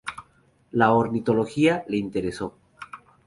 La ornitología le interesó.